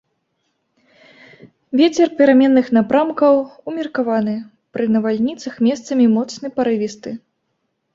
Вецер пераменных напрамкаў, умеркаваны, пры навальніцах месцамі моцны парывісты.